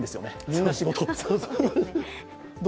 みんな仕事。